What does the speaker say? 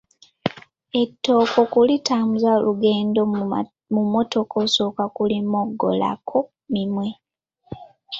Etooke okulitambuza olugendo mu mmotoka osooka kulimogolako minwe.